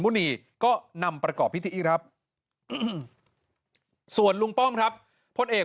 หุนีก็นำประกอบพิธีครับส่วนลุงป้อมครับพลเอก